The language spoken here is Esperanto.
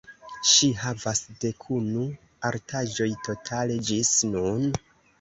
Ŝi havas dekunu artaĵoj totale ĝis nun.